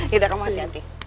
yaudah kamu hati hati